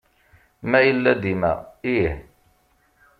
Ma yella dima, ih.